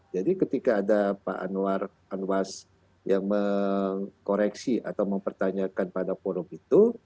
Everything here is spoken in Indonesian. jadi ketika ada pak anwar anwas yang mengkoreksi atau mempertanyakan pada forum itu